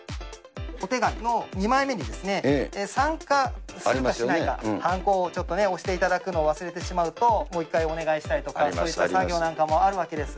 お手紙の２枚目に、参加するかしないか、はんこをちょっとね、押していただくのを忘れてしまうと、もう一回お願いしたりとか、そういった作業なんかもあるわけです。